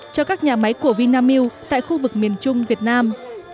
cho các nhà máy của vinamilk tại khu vực miền trung việt nam